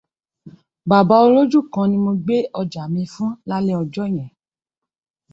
Bàbá olójú kan ni mo gbé ọjà mi fún lálẹ́ ọjọ́ yẹn